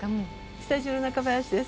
スタジオの中林です。